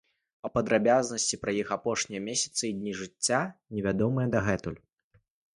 А падрабязнасці пра іх апошнія месяцы і дні жыцця не вядомыя дагэтуль.